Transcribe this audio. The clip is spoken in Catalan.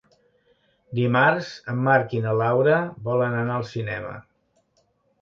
Dimarts en Marc i na Laura volen anar al cinema.